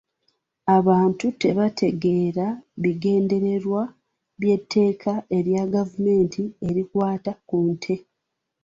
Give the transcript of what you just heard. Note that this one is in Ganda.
Abantu tebategeera bigendererwa by'etteeka lya gavumenti erikwata ku nte,